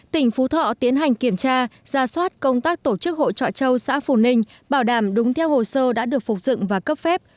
tỉnh phú thọ tiến hành kiểm tra ra soát công tác tổ chức hội trọi châu xã phù ninh bảo đảm đúng theo hồ sơ đã được phục dựng và cấp phép